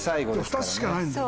２つしかないんだよ。